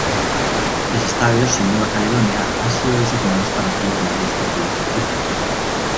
Seis estadios en Nueva Caledonia han sido designados para celebrar los partidos de Fútbol.